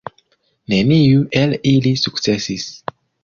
Neniu el ili sukcesis.